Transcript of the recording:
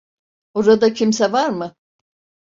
Orada kimse var mı?